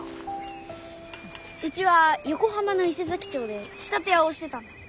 うちは横浜の伊勢佐木町で仕立て屋をしてたんだ。